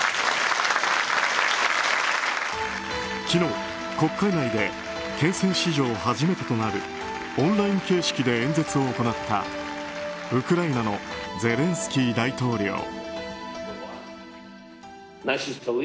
昨日、国会内で憲政史上初めてとなるオンライン形式で演説を行ったウクライナのゼレンスキー大統領。